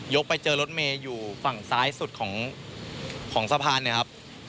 ไปเจอรถเมย์อยู่ฝั่งซ้ายสุดของสะพานเนี่ยครับ